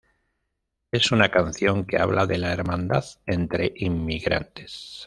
Es una canción que habla de la hermandad entre inmigrantes.